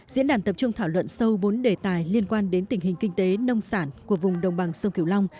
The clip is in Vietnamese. diễn đàn tập trung thảo luận sâu bốn đề tài liên quan đến tình hình kinh tế nông sản của vùng đồng bằng sông kiều long